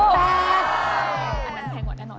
โอ้โหสิบแปดอันนั้นแพงกว่าแน่นอน